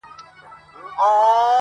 چي یوازي ملکه او خپل سترخان سو؛